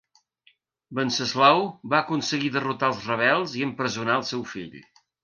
Venceslau va aconseguir derrotar els rebels i empresonar el seu fill.